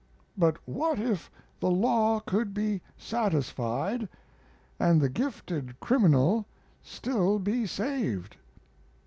But what if the law could be satisfied, and the gifted criminal still be saved.